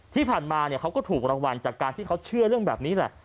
ที่ผ่านมาเขาก็ถูกรางวัลจากการที่เขาเชื่อเรื่องแบบนี้แหละ